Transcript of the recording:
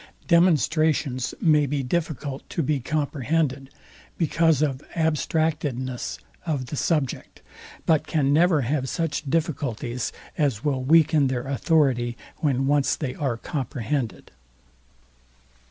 Demonstrations may be difficult to be comprehended, because of abstractedness of the subject; but can never have such difficulties as will weaken their authority, when once they are comprehended.